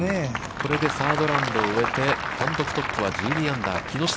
これでサードラウンドを終えて、単独トップは１２アンダー、木下。